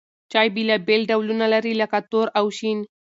چای بېلابېل ډولونه لري لکه تور او شین.